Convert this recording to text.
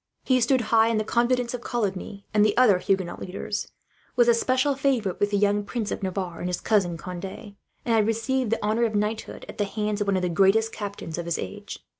He stood high in the confidence of Coligny, and the other Huguenot leaders; was a special favourite with the young Prince of Navarre, and his cousin Conde; and had received the honour of knighthood, at the hands of one of the greatest captains of his age.